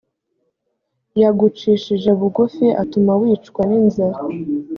yagucishije bugufi, atuma wicwa n’inzara